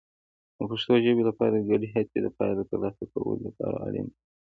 د پښتو ژبې لپاره ګډې هڅې د پایلو ترلاسه کولو لپاره اړین دي.